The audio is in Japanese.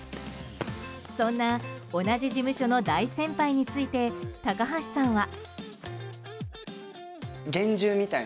そんな同じ事務所の大先輩について高橋さんは。